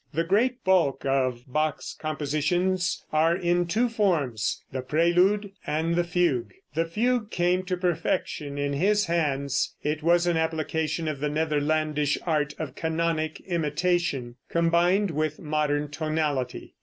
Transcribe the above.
The great bulk of Bach's compositions are in two forms, the Prelude and the Fugue. The fugue came to perfection in his hands. It was an application of the Netherlandish art of canonic imitation, combined with modern tonality.